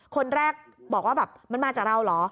คนแรกบอกว่าแบบมันมาจากเราเหรอ